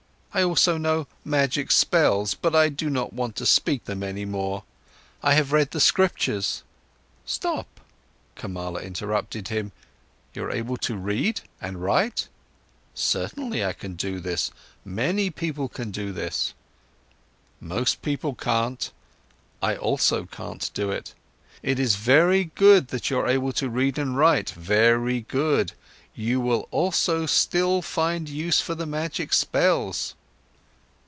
I also know magic spells, but I do not want to speak them any more. I have read the scriptures—" "Stop," Kamala interrupted him. "You're able to read? And write?" "Certainly, I can do this. Many people can do this." "Most people can't. I also can't do it. It is very good that you're able to read and write, very good. You will also still find use for the magic spells."